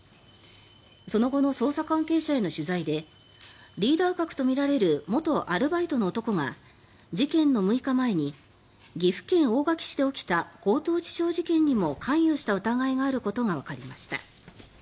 その後の捜査関係者への取材でリーダー格とみられる元アルバイトの男が事件の６日前に岐阜県大垣市で起きた強盗致傷事件にも関与した疑いがあることがわかりました。